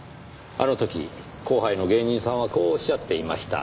あの時後輩の芸人さんはこう仰っていました。